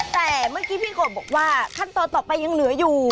แต่เมื่อกี้พี่กบบอกว่าขั้นตอนต่อไปยังเหลืออยู่